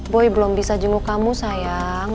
boy belum bisa jemuk kamu sayang